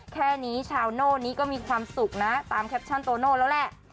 แค่นี้ชาวโน่นี้ก็มีความสุขนะตามแคปชั่นโตโน่แล้วแหละ